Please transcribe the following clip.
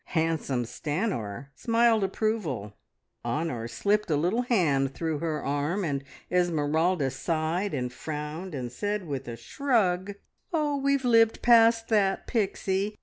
Handsome Stanor smiled approval, Honor slipped a little hand through her arm, and Esmeralda sighed and frowned, and said with a shrug "Oh, we've lived past that, Pixie!